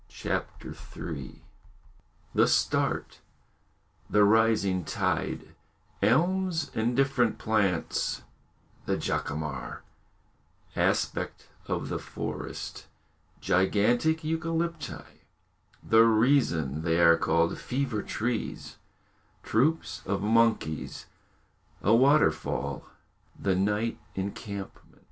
CHAPTER III The Start The rising Tide Elms and different Plants The Jacamar Aspect of the Forest Gigantic Eucalypti The Reason they are called "Fever Trees" Troops of Monkeys A Waterfall The Night Encampment.